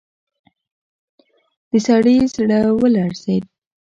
د سړي زړه ولړزېد.